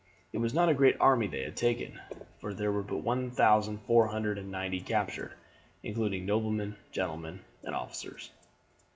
It was not a great army they had taken, for there were but one thousand four hundred and ninety captured, including noblemen, gentlemen, and officers.